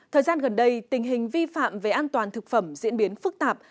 thời gian gần đây tình hình vi phạm về an toàn thực phẩm diễn biến phức tạp